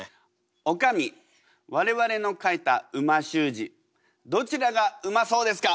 おかみ我々の書いた美味しゅう字どちらがうまそうですか？